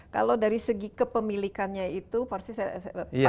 kalau dari segi kepemilikannya itu pasti saya